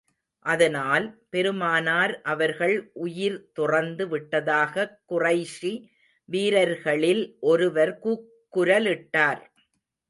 அதனால், பெருமானார் அவர்கள் உயிர் துறந்து விட்டதாகக் குறைஷி வீரர்களில் ஒருவர் கூக்குரலிட்டார்.